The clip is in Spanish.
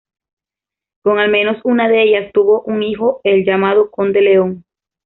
Con al menos una de ellas tuvo un hijo, el llamado Conde León.